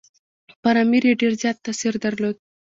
پر امیر یې ډېر زیات تاثیر درلود.